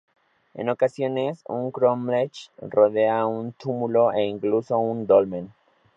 En ocasiones un crómlech rodea un túmulo e incluso un dolmen.